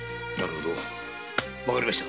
わかりました。